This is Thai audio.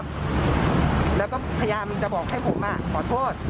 พยายามจะบอกให้ผมขอโทษ